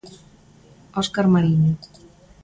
Óscar Mariño.